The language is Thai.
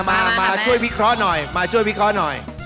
มามาช่วยพิเคราะห์หน่อย